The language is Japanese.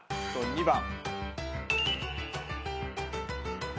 ２番。